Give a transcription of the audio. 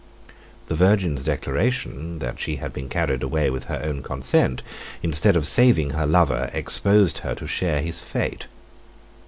The virgin's declaration, that she had been carried away with her own consent, instead of saving her lover, exposed her to share his fate.